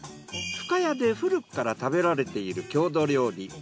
深谷で古くから食べられている郷土料理